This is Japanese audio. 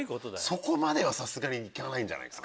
そこまではさすがにいかないんじゃないかな。